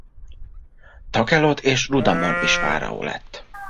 Takelot és Rudamon is fáraó lett.